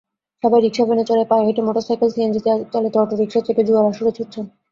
সবাই রিকশা-ভ্যানে চড়ে, পায়ে হেঁটে, মোটরসাইকেল-সিএনজচালিত অটোরিকশায় চেপে জুয়ার আসরে ছুটছেন।